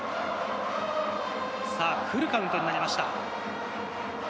さぁ、フルカウントになりました。